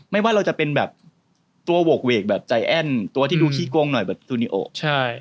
ไม่ว่าเราจะเป็นแบบตัวโหกเวกแบบใจแอ้นตัวที่ดูขี้โกงหน่อยแบบสตูดิโอใช่